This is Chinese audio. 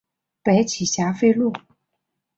北起霞飞路。